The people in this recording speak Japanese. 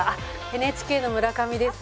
ＮＨＫの村上です。